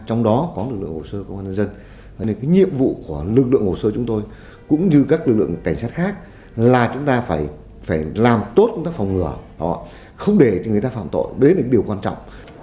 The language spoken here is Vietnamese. trong đó có lực lượng hồ sơ công an nhân dân